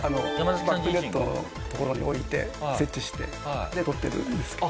バックネットの所に置いて設置してで撮ってるんですけど。